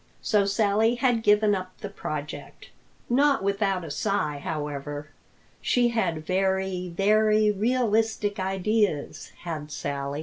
So Sally had given up the project, not without a sigh however. She had very, very realistic ideas, had Sally.